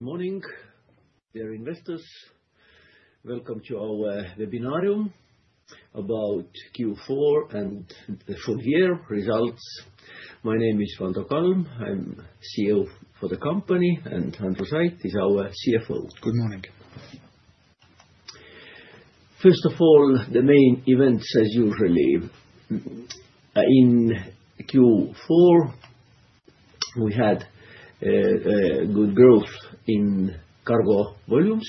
Good morning, dear investors. Welcome to our webinarium about Q4 and the full year results. My name is Valdo Kalm. I'm CEO for the company, and Andrus Ait is our CFO. Good morning. First of all, the main events, as usually. In Q4, we had good growth in cargo volumes,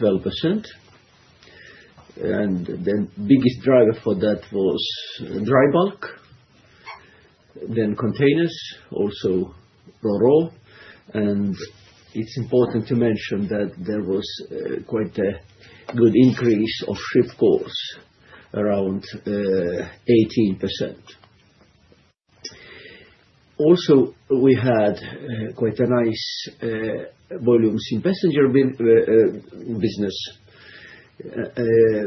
12%. The biggest driver for that was dry bulk, then containers, also Ro-Ro. It's important to mention that there was quite a good increase of ship calls, around 18%. Also, we had quite nice volumes in passenger business,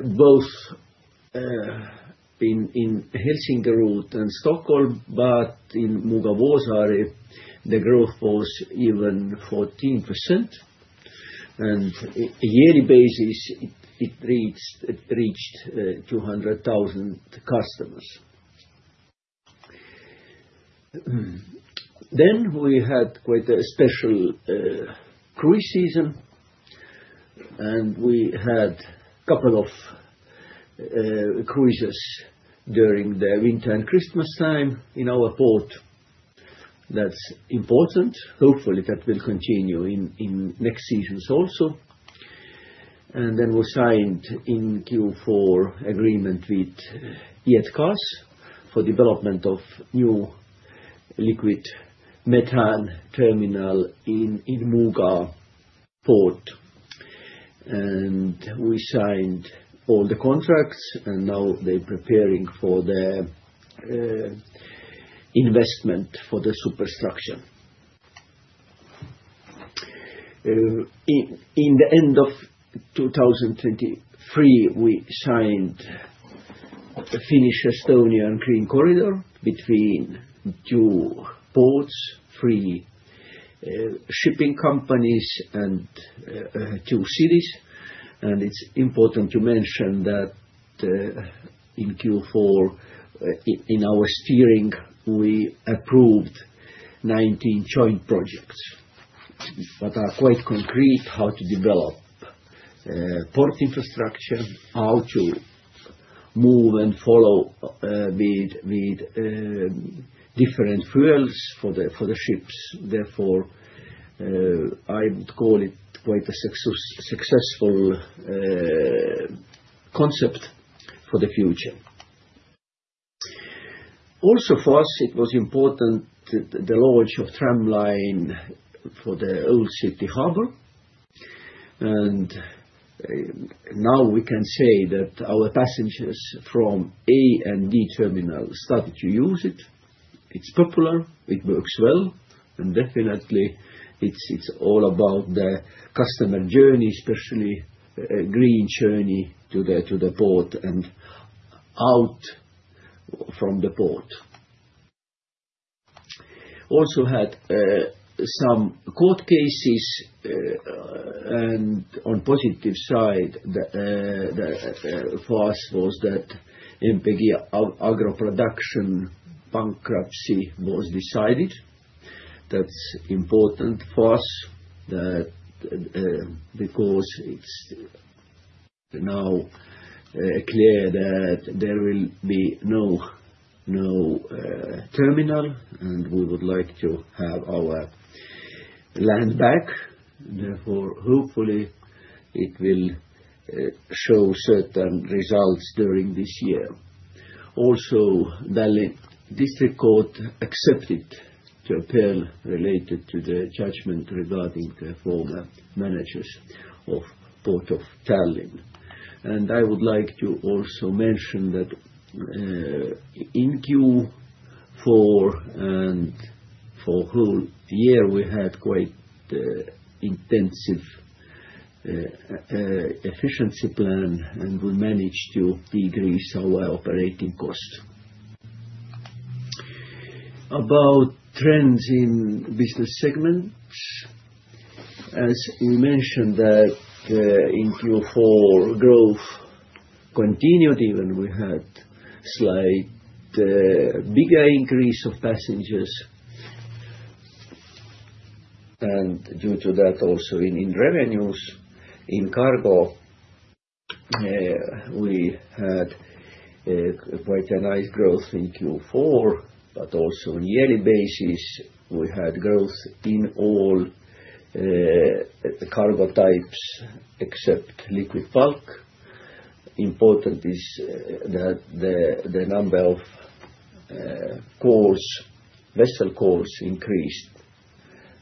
both in Helsinki route and Stockholm, but in Muuga-Vuosaari, the growth was even 14%. On a yearly basis, it reached 200,000 customers. We had quite a special cruise season, and we had a couple of cruises during the winter and Christmas time in our port. That's important. Hopefully, that will continue in next seasons also. We signed in Q4 an agreement with JetGas for development of a new liquid methane terminal in Muuga port. We signed all the contracts, and now they're preparing for the investment for the superstructure. At the end of 2023, we signed a Finnish-Estonian Green Corridor between two ports, three shipping companies, and two cities. It's important to mention that in Q4, in our steering, we approved 19 joint projects that are quite concrete: how to develop port infrastructure, how to move and follow with different fuels for the ships. Therefore, I would call it quite a successful concept for the future. Also, for us, it was important the launch of a tram line for the Old City Harbour. Now we can say that our passengers from A and D terminals started to use it. It's popular. It works well. Definitely, it's all about the customer journey, especially a green journey to the port and out from the port. We also had some court cases. On the positive side for us was that MPG AgroProduction bankruptcy was decided. That is important for us because it is now clear that there will be no terminal, and we would like to have our land back. Therefore, hopefully, it will show certain results during this year. Also, the district court accepted the appeal related to the judgment regarding the former managers of Port of Tallinn. I would like to also mention that in Q4 and for the whole year, we had quite an intensive efficiency plan, and we managed to decrease our operating cost. About trends in the business segment, as we mentioned, in Q4, growth continued, even we had a slight bigger increase of passengers. Due to that, also in revenues, in cargo, we had quite a nice growth in Q4, but also on a yearly basis, we had growth in all cargo types except liquid bulk. Important is that the number of vessel calls increased,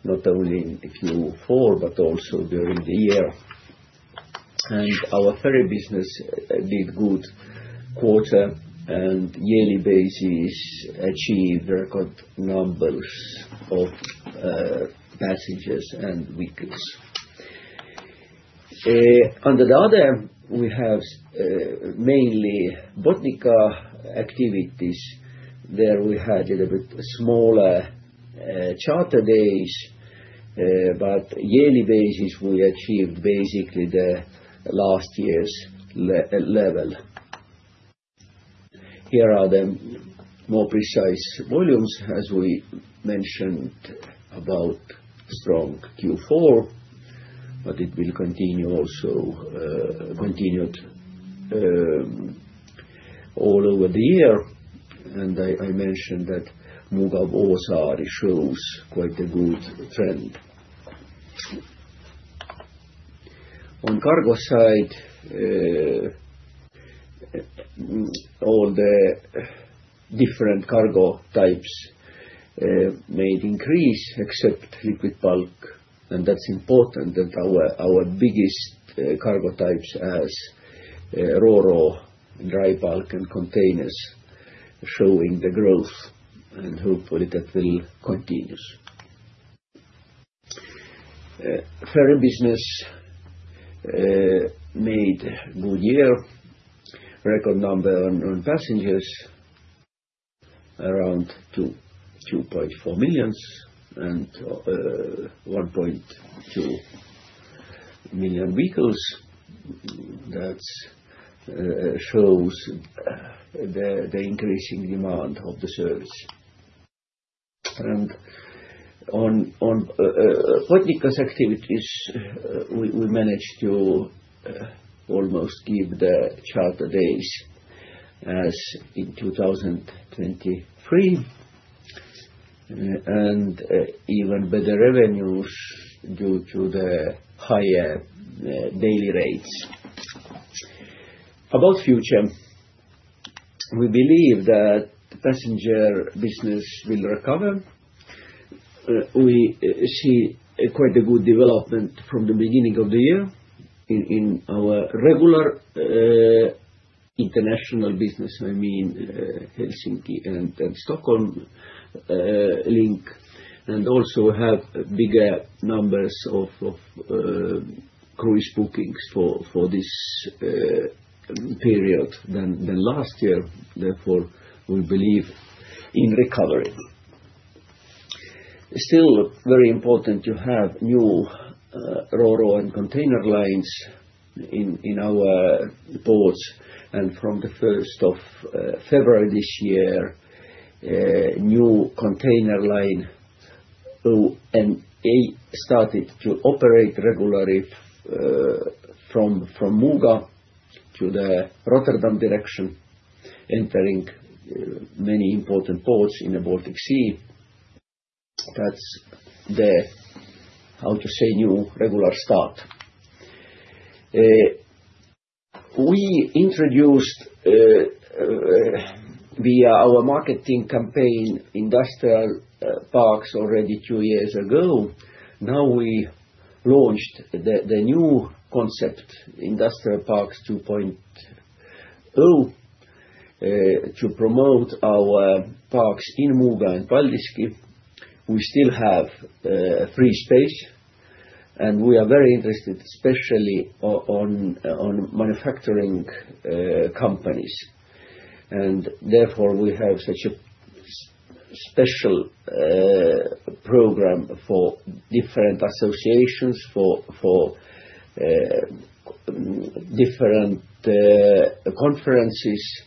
not only in Q4, but also during the year. Our ferry business did good quarter, and on a yearly basis, achieved record numbers of passengers and vehicles. On the other, we have mainly Botnica activities. There we had a little bit smaller charter days, but on a yearly basis, we achieved basically the last year's level. Here are the more precise volumes, as we mentioned, about strong Q4, but it will continue also all over the year. I mentioned that Muuga-Vuosaari shows quite a good trend. On the cargo side, all the different cargo types made increase, except liquid bulk, and that's important. Our biggest cargo types, as Ro-Ro, dry bulk, and containers, are showing the growth, and hopefully, that will continue. Ferry business made a good year. Record number on passengers, around 2.4 million, and 1.2 million vehicles. That shows the increasing demand of the service. On Botnica's activities, we managed to almost keep the charter days as in 2023, and even better revenues due to the higher daily rates. About the future, we believe that passenger business will recover. We see quite a good development from the beginning of the year in our regular international business. I mean Helsinki and Stockholm link. Also, we have bigger numbers of cruise bookings for this period than last year. Therefore, we believe in recovery. Still, very important to have new Ro-Ro and container lines in our ports. From the 1st of February this year, a new container line started to operate regularly from Muuga to the Rotterdam direction, entering many important ports in the Baltic Sea. That's the, how to say, new regular start. We introduced via our marketing campaign industrial parks already two years ago. Now we launched the new concept, Industrial Parks 2.0, to promote our parks in Muuga and Paldiski. We still have free space, and we are very interested, especially in manufacturing companies. Therefore, we have such a special program for different associations, for different conferences.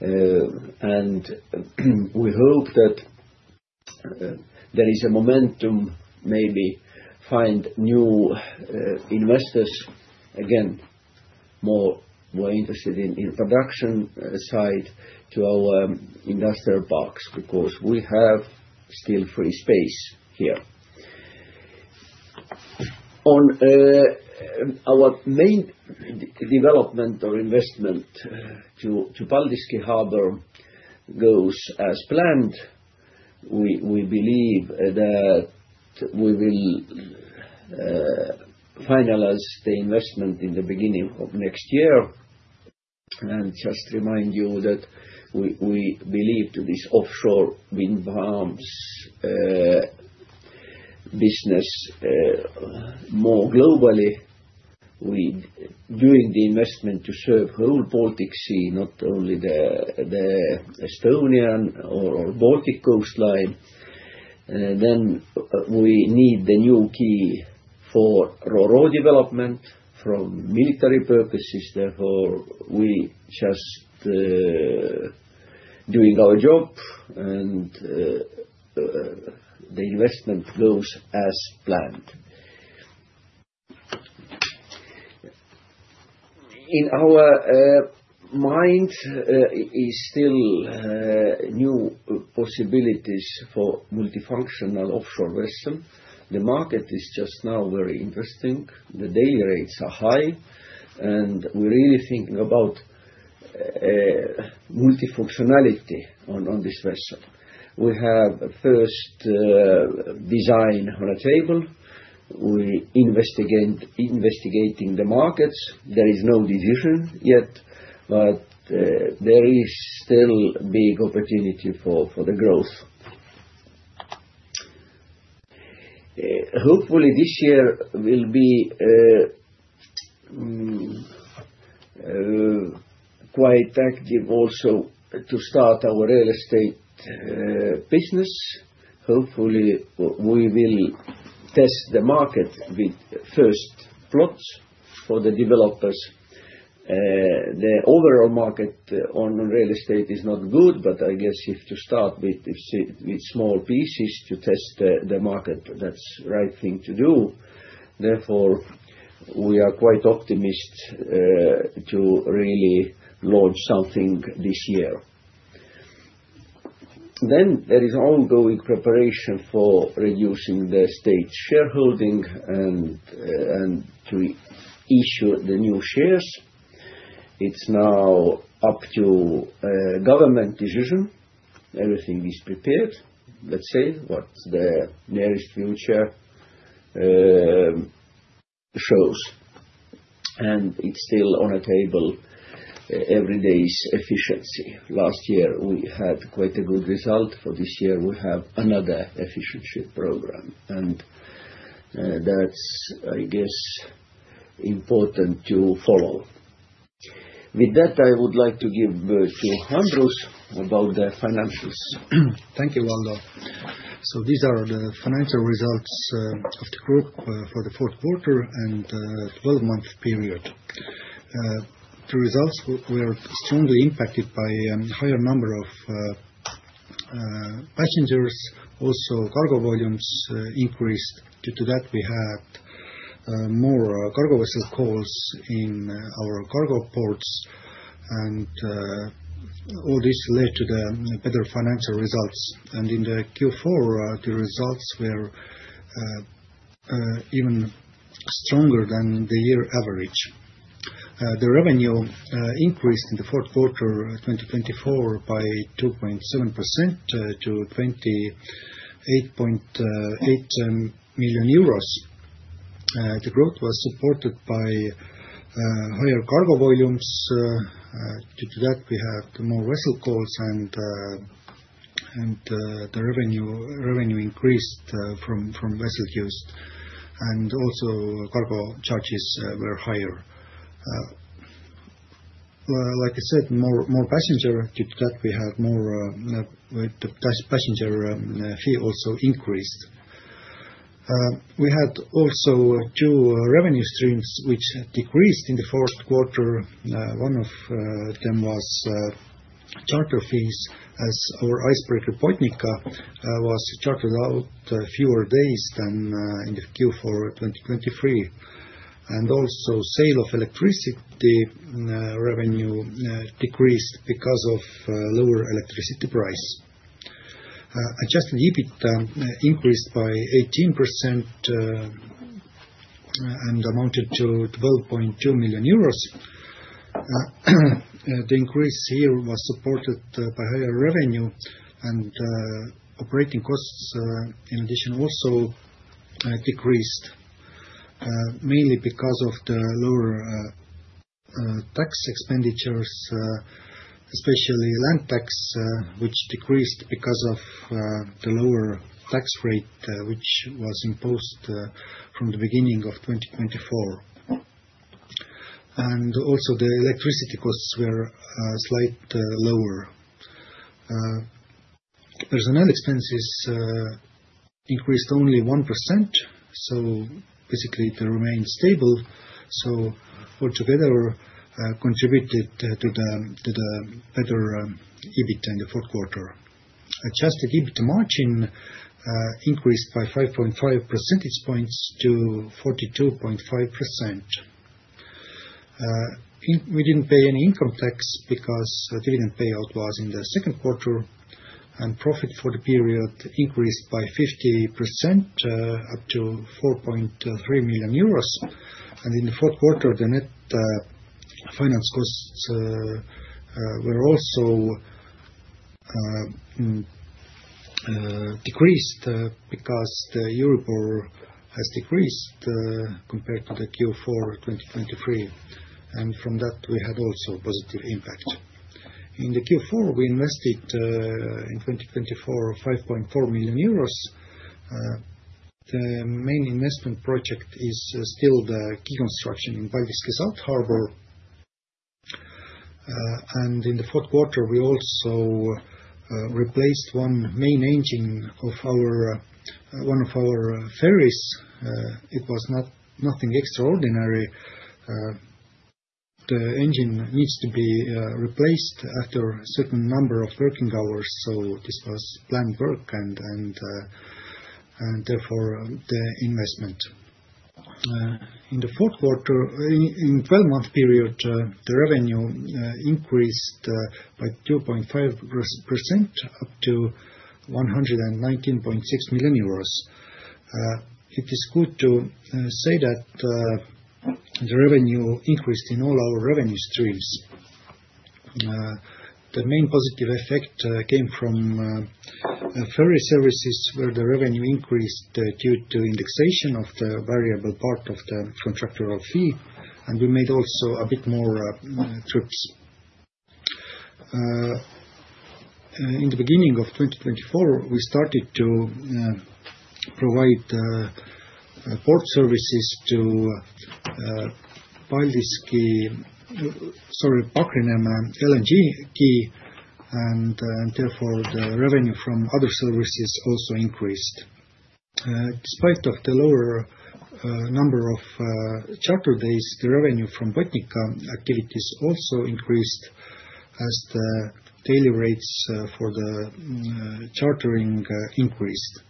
We hope that there is a momentum maybe to find new investors. Again, more interested in the production side to our industrial parks because we have still free space here. Our main development or investment to Paldiski harbour goes as planned. We believe that we will finalize the investment in the beginning of next year. Just to remind you that we believe in this offshore wind farms business more globally. We're doing the investment to serve the whole Baltic Sea, not only the Estonian or Baltic coastline. We need the new quay for Ro-Ro development for military purposes. Therefore, we are just doing our job, and the investment goes as planned. In our mind, there are still new possibilities for multifunctional offshore vessels. The market is just now very interesting. The daily rates are high, and we're really thinking about multifunctionality on this vessel. We have a first design on the table. We're investigating the markets. There is no decision yet, but there is still a big opportunity for the growth. Hopefully, this year will be quite active also to start our real estate business. Hopefully, we will test the market with first plots for the developers. The overall market on real estate is not good, but I guess if to start with small pieces to test the market, that's the right thing to do. Therefore, we are quite optimistic to really launch something this year. There is ongoing preparation for reducing the state shareholding and to issue the new shares. It's now up to government decision. Everything is prepared, let's say, what the nearest future shows. It's still on the table: everyday efficiency. Last year, we had quite a good result. For this year, we have another efficiency program. That's, I guess, important to follow.ith that, I would like to give the floor to Andrus about the financials. Thank you, Valdo. These are the financial results of the group for the fourth quarter and the 12-month period. The results were strongly impacted by a higher number of passengers. Also, cargo volumes increased. Due to that, we had more cargo vessel calls in our cargo ports. All this led to the better financial results. In Q4, the results were even stronger than the year average. The revenue increased in the fourth quarter of 2024 by 2.7% to 28.8 million. The growth was supported by higher cargo volumes. Due to that, we had more vessel calls, and the revenue increased from vessel use. Also, cargo charges were higher. Like I said, more passengers. Due to that, we had more passenger fees also increased. We had also two revenue streams which decreased in the fourth quarter. One of them was charter fees, as our icebreaker Botnica was chartered out fewer days than in Q4 2023. Also, sale of electricity revenue decreased because of lower electricity price. Adjusted EBITDA increased by 18% and amounted to 12.2 million euros. The increase here was supported by higher revenue, and operating costs, in addition, also decreased, mainly because of the lower tax expenditures, especially land tax, which decreased because of the lower tax rate which was imposed from the beginning of 2024. Also, the electricity costs were slightly lower. Personnel expenses increased only 1%. Basically, they remained stable. Altogether, it contributed to the better EBITDA in the fourth quarter. Adjusted EBITDA margin increased by 5.5 percentage points to 42.5%. We did not pay any income tax because the dividend payout was in the second quarter, and profit for the period increased by 50% up to 4.3 million euros. In the fourth quarter, the net finance costs were also decreased because the euro borrow has decreased compared to Q4 2023. From that, we had also a positive impact. In Q4, we invested in 2024 5.4 million euros. The main investment project is still the quay construction in Paldiski South Harbour. In the fourth quarter, we also replaced one main engine of one of our ferries. It was nothing extraordinary. The engine needs to be replaced after a certain number of working hours. This was planned work, and therefore, the investment. In the fourth quarter, in the 12-month period, the revenue increased by 2.5% up to EUR 119.6 million. It is good to say that the revenue increased in all our revenue streams. The main positive effect came from ferry services, where the revenue increased due to indexation of the variable part of the contractor fee, and we made also a bit more trips. In the beginning of 2024, we started to provide port services to Paldiski, sorry, Pakrineeme LNG quay, and therefore, the revenue from other services also increased. Despite the lower number of charter days, the revenue from Botnica activities also increased as the daily rates for the chartering increased.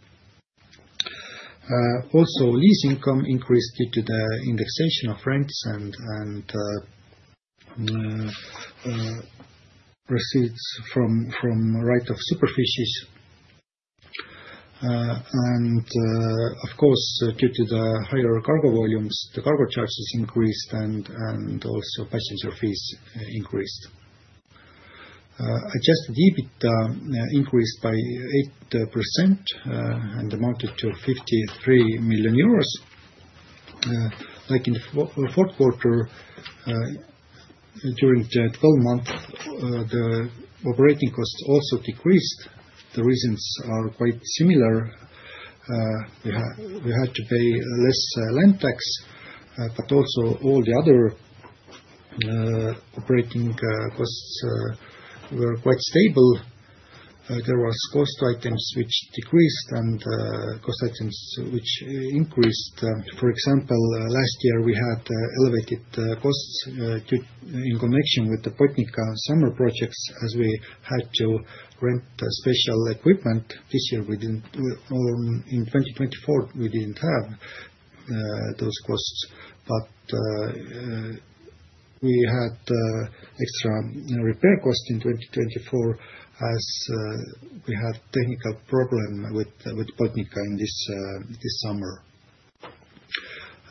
Also, lease income increased due to the indexation of rents and receipts from right of superficies. Of course, due to the higher cargo volumes, the cargo charges increased, and also passenger fees increased. Adjusted EBITDA increased by 8% and amounted to 53 million euros. Like in the fourth quarter, during the 12 months, the operating costs also decreased. The reasons are quite similar. We had to pay less land tax, but also all the other operating costs were quite stable. There were cost items which decreased and cost items which increased. For example, last year, we had elevated costs in connection with the Botnica summer projects as we had to rent special equipment. This year, in 2024, we did not have those costs, but we had extra repair costs in 2024 as we had a technical problem with Botnica in this summer.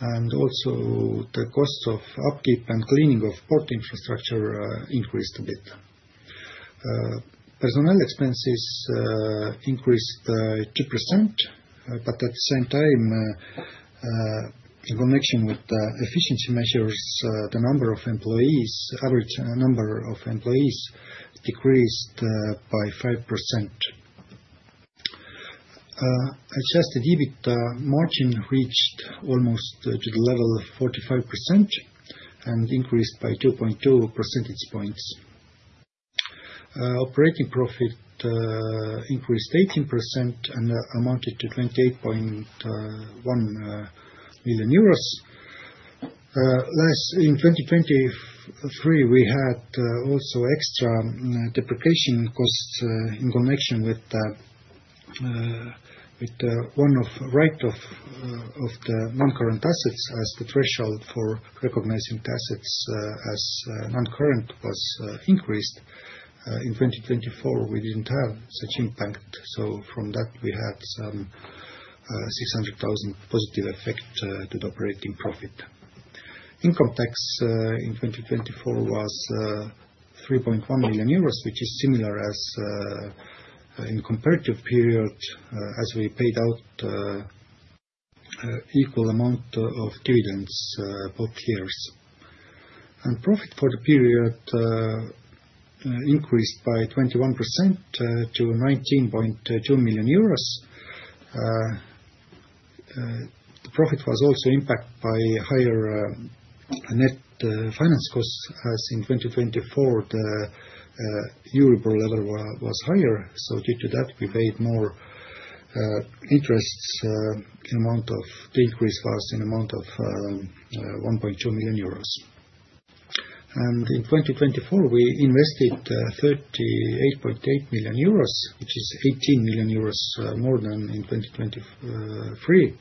Also, the cost of upkeep and cleaning of port infrastructure increased a bit. Personnel expenses increased 2%, but at the same time, in connection with the efficiency measures, the number of employees, average number of employees, decreased by 5%. Adjusted EBITDA margin reached almost to the level of 45% and increased by 2.2 percentage points. Operating profit increased 18% and amounted to 28.1 million euros. In 2023, we had also extra depreciation costs in connection with one of right of the non-current assets as the threshold for recognizing the assets as non-current was increased. In 2024, we did not have such impact. From that, we had some 600,000 positive effect to the operating profit. Income tax in 2024 was 3.1 million euros, which is similar as in the comparative period as we paid out an equal amount of dividends both years. Profit for the period increased by 21% to EUR 19.2 million. The profit was also impacted by higher net finance costs as in 2024, the euro borrow level was higher. Due to that, we paid more interests. The increase was in the amount of 1.2 million euros. In 2024, we invested 38.8 million euros, which is 18 million euros more than in 2023.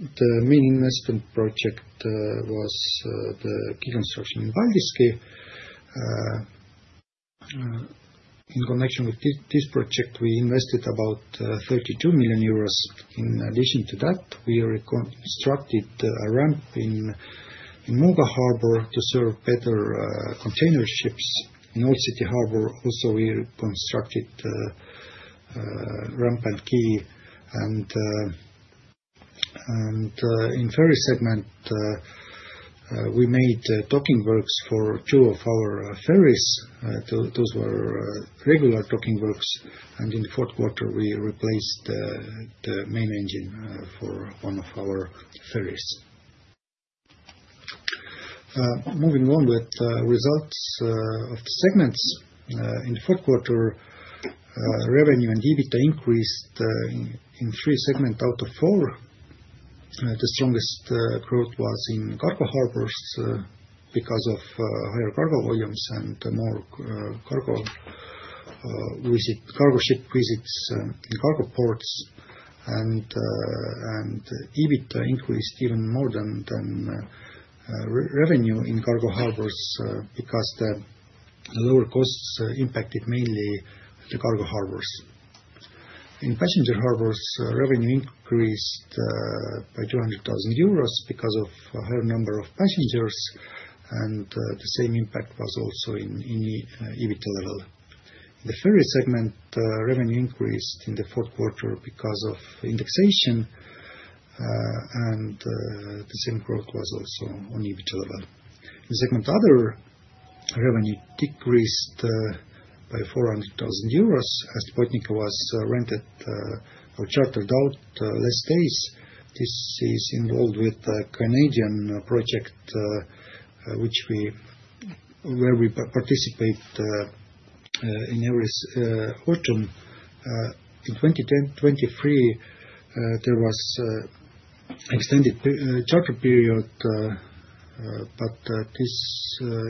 The main investment project was the key construction in Paldiski. In connection with this project, we invested about 32 million euros. In addition to that, we reconstructed a ramp in Muuga Harbour to serve better container ships in Old City Harbour. Also, we reconstructed the ramp and key. In the ferry segment, we made docking works for two of our ferries. Those were regular docking works. In the fourth quarter, we replaced the main engine for one of our ferries. Moving on with the results of the segments. In the fourth quarter, revenue and EBITDA increased in three segments out of four. The strongest growth was in cargo harbours because of higher cargo volumes and more cargo ship visits in cargo ports. EBITDA increased even more than revenue in cargo harbours because the lower costs impacted mainly the cargo harbours. In passenger harbours, revenue increased by 200,000 euros because of a higher number of passengers. The same impact was also in EBITDA level. In the ferry segment, revenue increased in the fourth quarter because of indexation. The same growth was also on EBITDA level. In the segment, other revenue decreased by 400,000 euros as Botnica was rented or chartered out fewer days. This is involved with a Canadian project where we participate in every fortune. In 2023, there was an extended charter period, but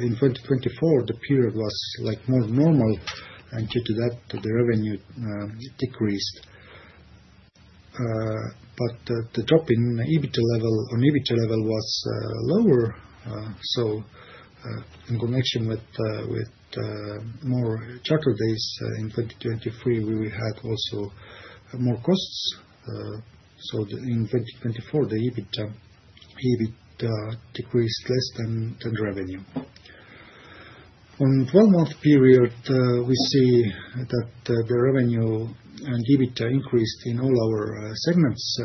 in 2024, the period was more normal. Due to that, the revenue decreased. The drop in EBITDA level was lower. In connection with more charter days in 2023, we had also more costs. In 2024, the EBITDA decreased less than revenue. On the 12-month period, we see that the revenue and EBITDA increased in all our segments.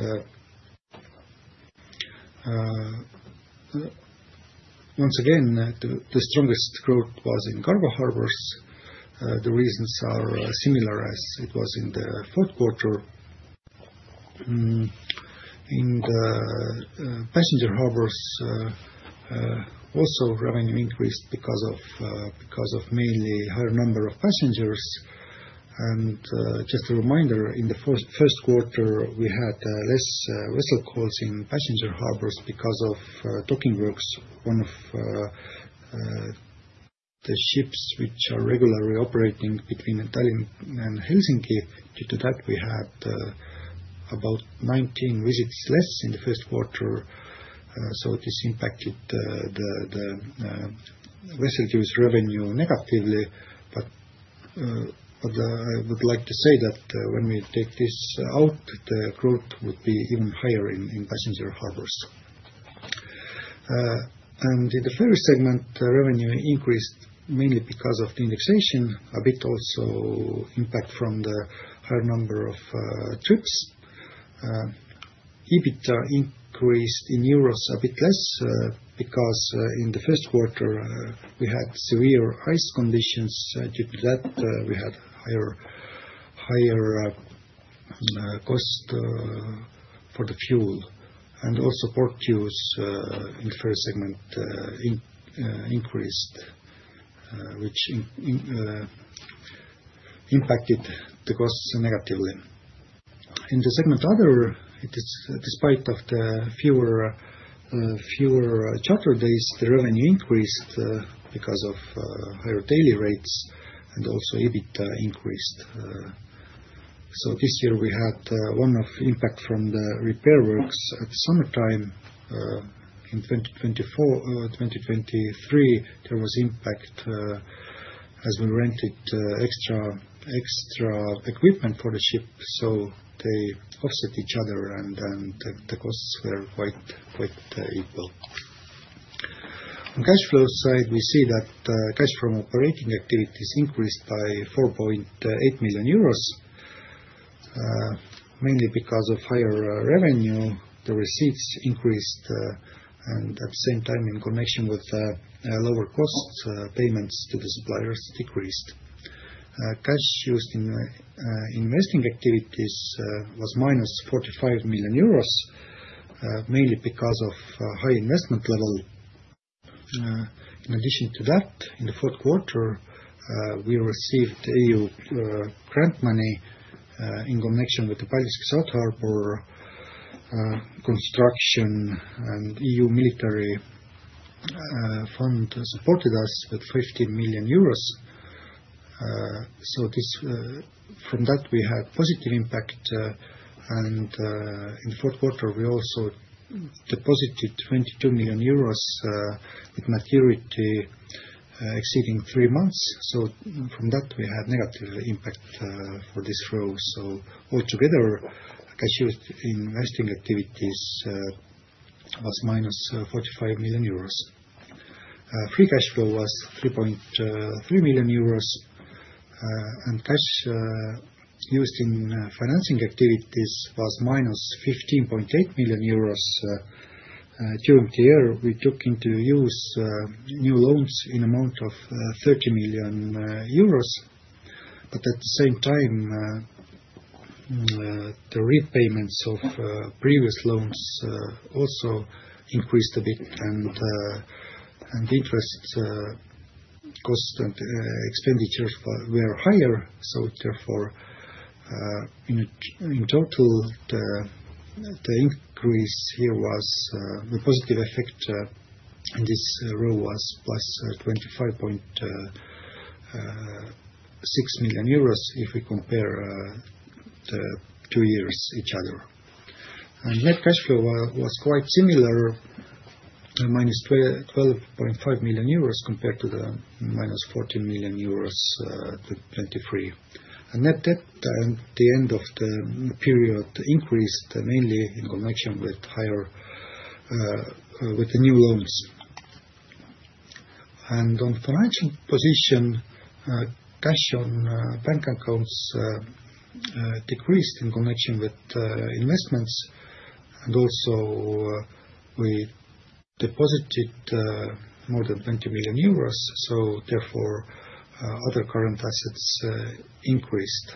Once again, the strongest growth was in cargo harbours. The reasons are similar as it was in the fourth quarter. In the passenger harbours, also revenue increased because of mainly a higher number of passengers. Just a reminder, in the first quarter, we had fewer vessel calls in passenger harbours because of docking works. One of the ships which are regularly operating between Tallinn and Helsinki. Due to that, we had about 19 visits less in the first quarter. This impacted the vessel use revenue negatively. I would like to say that when we take this out, the growth would be even higher in passenger harbours. In the ferry segment, revenue increased mainly because of the indexation. A bit also impact from the higher number of trips. EBITDA increased in euros a bit less because in the first quarter, we had severe ice conditions. Due to that, we had higher cost for the fuel. Also, port use in the ferry segment increased, which impacted the costs negatively. In the segment other, despite the fewer charter days, the revenue increased because of higher daily rates and also EBITDA increased. This year, we had one-off impact from the repair works at the summertime. In 2023, there was impact as we rented extra equipment for the ship. They offset each other, and the costs were quite equal. On the cash flow side, we see that cash from operating activities increased by 4.8 million euros, mainly because of higher revenue. The receipts increased, and at the same time, in connection with lower costs, payments to the suppliers decreased. Cash used in investing activities was -45 million euros, mainly because of high investment level. In addition to that, in the fourth quarter, we received EU grant money in connection with the Paldiski South Harbour construction, and EU Military Fund supported us with 15 million euros. From that, we had positive impact. In the fourth quarter, we also deposited 22 million euros with maturity exceeding three months. From that, we had negative impact for this flow. Altogether, cash used in investing activities was -45 million euros. Free cash flow was 3.3 million euros, and cash used in financing activities was -15.8 million euros. During the year, we took into use new loans in the amount of 30 million euros. At the same time, the repayments of previous loans also increased a bit, and the interest cost and expenditures were higher. Therefore, in total, the increase here was the positive effect in this row was EUR +25.6 million if we compare the two years to each other. Net cash flow was quite similar, -12.5 million euros compared to the -40 million euros in 2023. Net debt at the end of the period increased mainly in connection with the new loans. On financial position, cash on bank accounts decreased in connection with investments. Also, we deposited more than 20 million euros. Therefore, other current assets increased.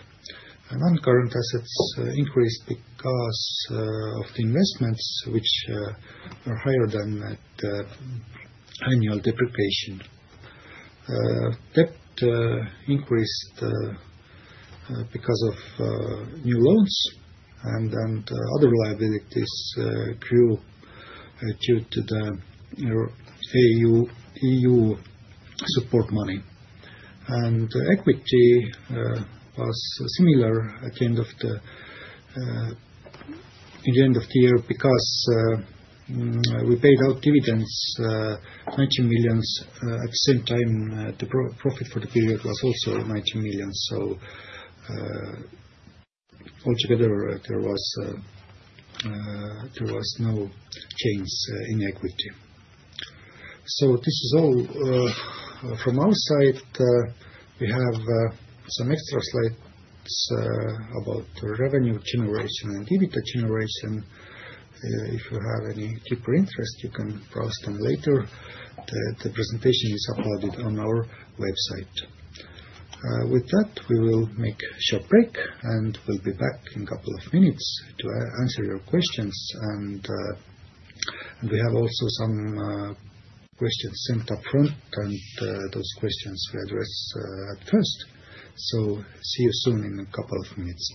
Non-current assets increased because of the investments, which were higher than annual depreciation. Debt increased because of new loans and other liabilities grew due to the EU support money. Equity was similar at the end of the year because we paid out dividends, 90 million. At the same time, the profit for the period was also EUR 90 million. Altogether, there was no change in equity. This is all from our side. We have some extra slides about revenue generation and EBITDA generation. If you have any deeper interest, you can browse them later. The presentation is uploaded on our website. With that, we will make a short break, and we'll be back in a couple of minutes to answer your questions. We have also some questions sent upfront, and those questions we address at first. See you soon in a couple of minutes.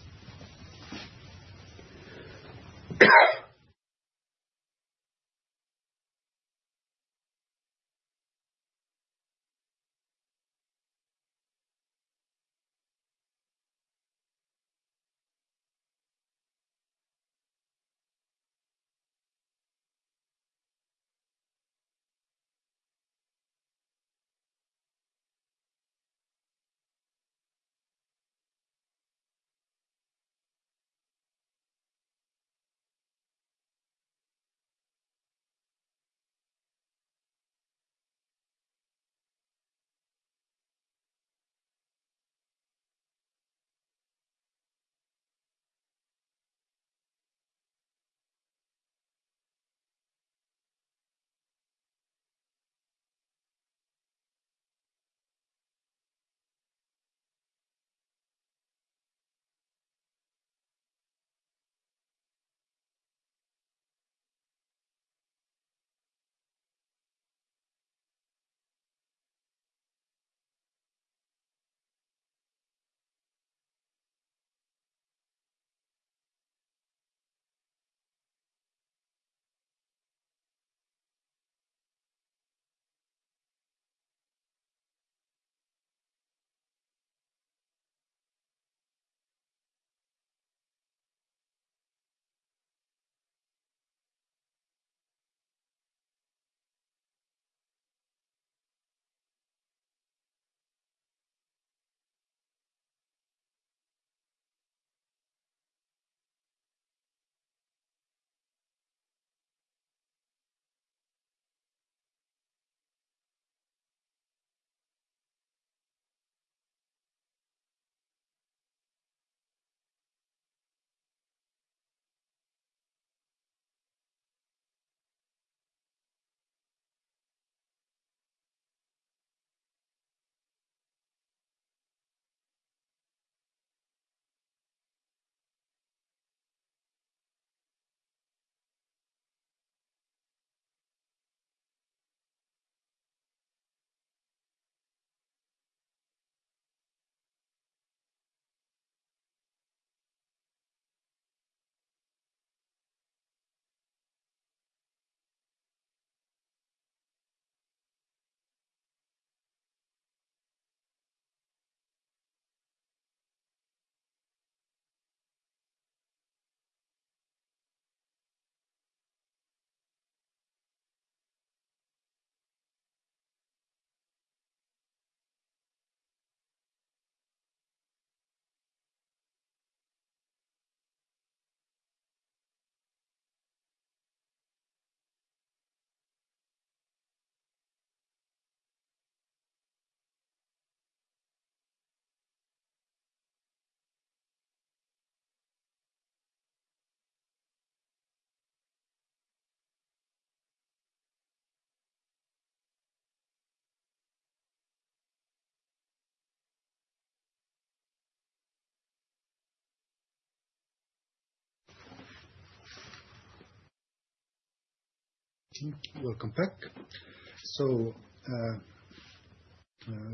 Welcome back.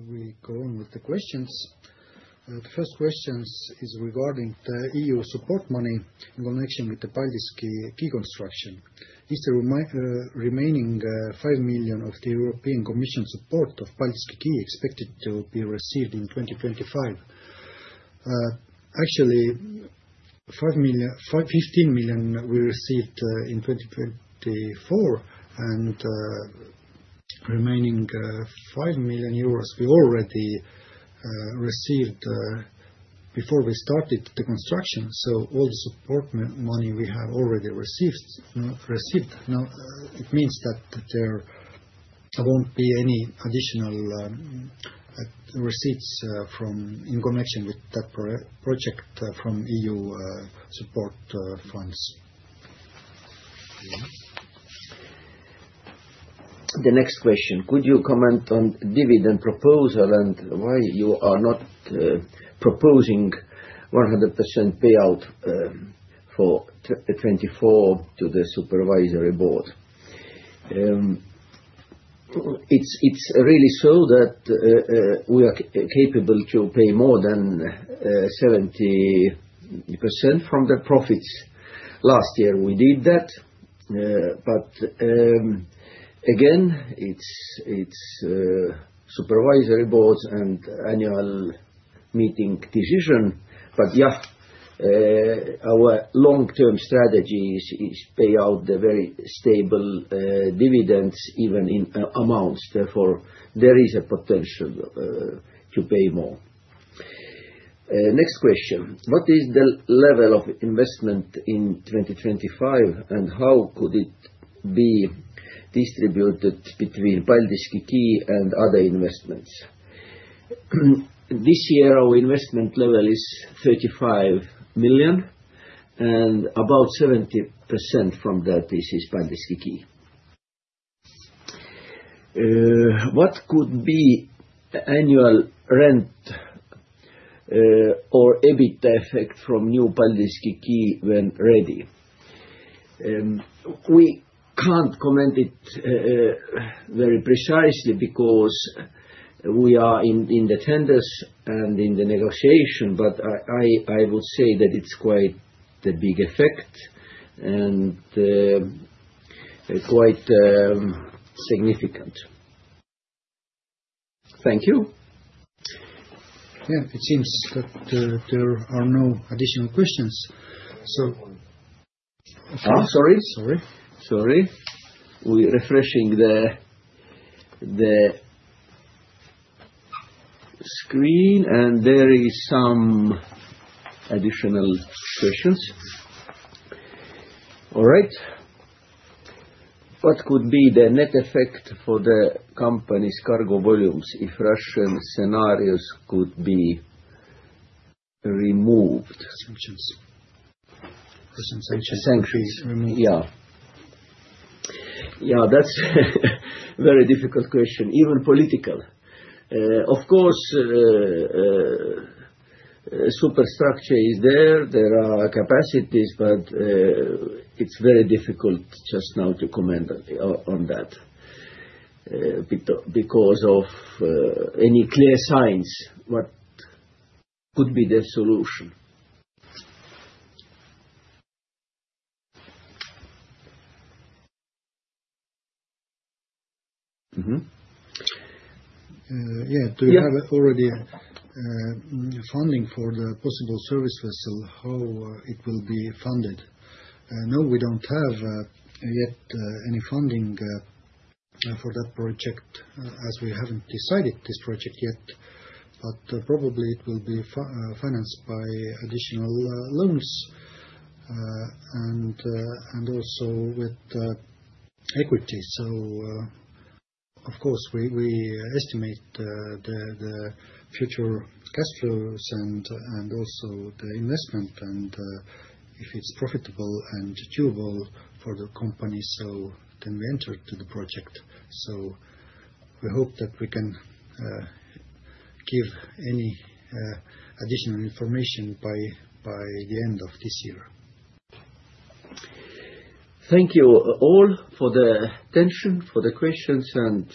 We go on with the questions. The first question is regarding the EU support money in connection with the Paldiski key construction. Is the remaining 5 million of the European Commission support of Paldiski key expected to be received in 2025? Actually, 15 million we received in 2024, and remaining 5 million euros we already received before we started the construction. All the support money we have already received. It means that there won't be any additional receipts in connection with that project from EU support funds. The next question, could you comment on dividend proposal and why you are not proposing 100% payout for 2024 to the supervisory board? It's really so that we are capable to pay more than 70% from the profits. Last year, we did that. Again, it's supervisory board's and annual meeting decision. Yeah, our long-term strategy is to pay out the very stable dividends even in amounts. Therefore, there is a potential to pay more. Next question, what is the level of investment in 2025, and how could it be distributed between Paldiski key and other investments? This year, our investment level is 35 million, and about 70% from that is Paldiski quay. What could be annual rent or EBITDA effect from new Paldiski quay when ready? We can't comment very precisely because we are in the tenders and in the negotiation, but I would say that it's quite a big effect and quite significant. Thank you. Yeah, it seems that there are no additional questions. Sorry. Sorry. We're refreshing the screen, and there are some additional questions. All right. What could be the net effect for the company's cargo volumes if Russian scenarios could be removed? Sanctions. Sanctions. Yeah. Yeah, that's a very difficult question, even political. Of course, superstructure is there. There are capacities, but it's very difficult just now to comment on that because of any clear signs what could be the solution. Yeah, do you have already funding for the possible service vessel? How it will be funded? No, we don't have yet any funding for that project as we haven't decided this project yet, but probably it will be financed by additional loans and also with equity. Of course, we estimate the future cash flows and also the investment, and if it's profitable and achievable for the company, then we enter to the project. We hope that we can give any additional information by the end of this year. Thank you all for the attention, for the questions, and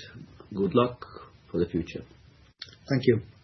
good luck for the future. Thank you.